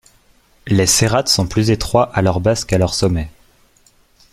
Les cérates sont plus étroits à leur base qu'à leur sommet.